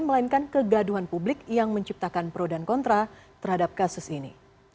melainkan kegaduhan publik yang menciptakan pro dan kontra terhadap kasus ini